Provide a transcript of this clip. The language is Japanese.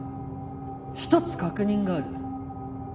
一つ確認がある。